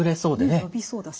伸びそうだし。